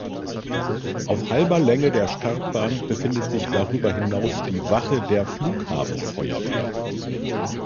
Auf halber Länge der Startbahn befindet sich darüber hinaus die Wache der Flughafenfeuerwehr.